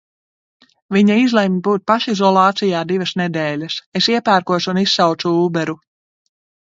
Viņa izlemj būt pašizolācijā divas nedēļas. Es iepērkos un izsaucu ūberu.